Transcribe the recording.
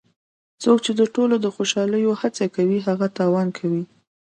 څوک چې د ټولو د خوشحالولو هڅه کوي هغه تاوان کوي.